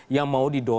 yang mau didorong